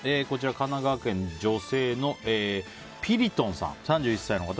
神奈川県、女性、３１歳の方。